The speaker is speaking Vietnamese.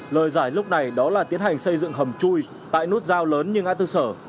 lời giải lúc này đó là tiến hành xây dựng hầm chui tại nút giao lớn như ngã tư sở